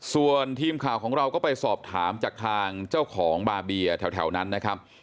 ส่วนทีมข่าวของเราก็ไปสอบถามจากทางเจ้าของบาเบียแถวนั้นนะครับ